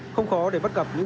chỗ phơi thì phải chấp nhận